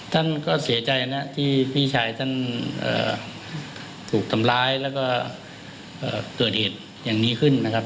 ท่านก็เสียใจนะที่พี่ชายท่านถูกทำร้ายแล้วก็เกิดเหตุอย่างนี้ขึ้นนะครับ